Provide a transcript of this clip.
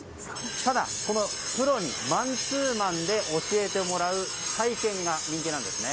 ただ、プロにマンツーマンで教えてもらう体験が人気なんですね。